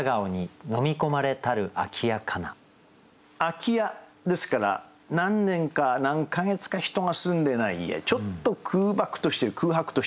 「空家」ですから何年か何か月か人が住んでない家ちょっと空白としてる。